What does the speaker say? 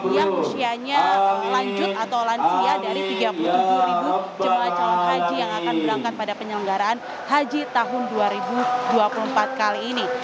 yang usianya lanjut atau lansia dari tiga puluh tujuh ribu jemaah calon haji yang akan berangkat pada penyelenggaraan haji tahun dua ribu dua puluh empat kali ini